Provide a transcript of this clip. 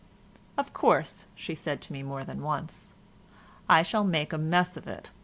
"Of course," she had said to me, more than once, "I shall make a mess of it.